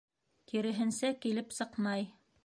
Киреһенсә килеп сыҡмай.